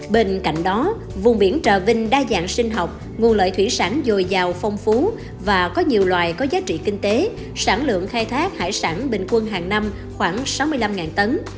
bên cạnh đó vùng biển trà vinh đa dạng sinh học nguồn lợi thủy sản dồi dào phong phú và có nhiều loài có giá trị kinh tế sản lượng khai thác hải sản bình quân hàng năm khoảng sáu mươi năm tấn